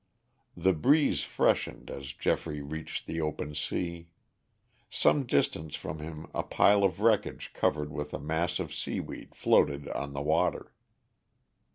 The breeze freshened as Geoffrey reached the open sea. Some distance from him a pile of wreckage covered with a mass of seaweed floated on the water.